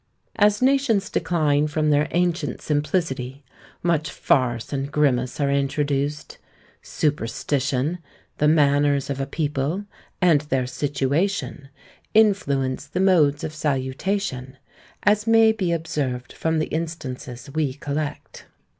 As nations decline from their ancient simplicity, much farce and grimace are introduced. Superstition, the manners of a people, and their situation, influence the modes of salutation; as may be observed from the instances we collect.